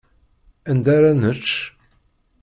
Anda ara nečč?